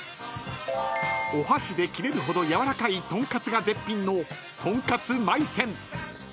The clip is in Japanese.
［お箸で切れるほど軟らかい豚カツが絶品のとんかつまい泉］